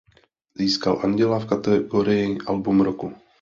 Získalo Anděla v kategorii „album roku“.